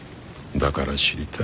だから知りたい。